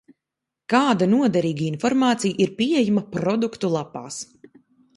Kāda noderīga informācija ir pieejama produktu lapās?